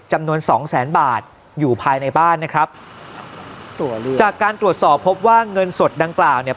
จำนวนสองแสนบาทอยู่ภายในบ้านนะครับจากการตรวจสอบพบว่าเงินสดดังกล่าวเนี่ย